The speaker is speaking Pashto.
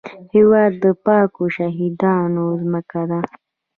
هېواد د پاکو شهیدانو ځمکه ده